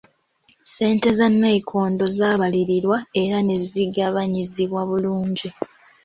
Ssente za nnayikondo zaabalirirwa era ne zigabanyizibwa bulungi.